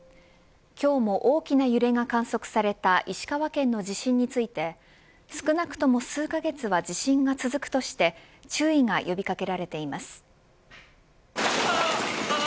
今日も大きな揺れが観測された石川県の地震について少なくとも数カ月は地震が続くとして注意が呼び掛けられています。